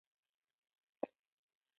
شاوخوا دېوالونو ته د غالیو بالښتونه پراته ول.